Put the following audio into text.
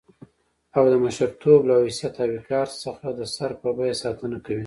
او د مشرتوب له حيثيت او وقار څخه د سر په بيه ساتنه کوي.